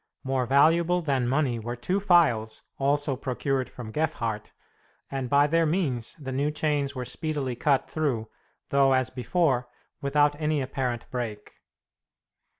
More valuable than money were two files, also procured from Gefhardt, and by their means the new chains were speedily cut through, though, as before, without any apparent break.